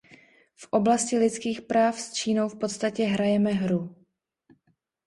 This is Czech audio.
V oblasti lidských práv s Čínou v podstatě hrajeme hru.